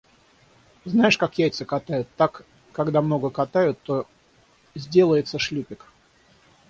Знаешь, как яйца катают, так когда много катают, то сделается шлюпик.